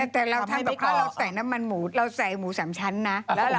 แต่เราทำไปเพราะเราใส่น้ำมันหมูเราใส่หมู๓ชั้นนะ